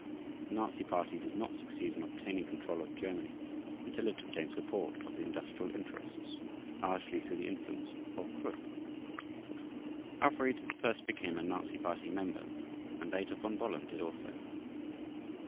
The Nazi Party did not succeed in obtaining control of Germany until it obtained support of the industrial interests, largely through the influence of Krupp. Alfried first became a Nazi Party member and later Von Bohlen did also.